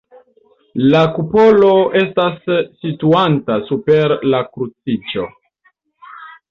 La kupolo estas situanta super la kruciĝo.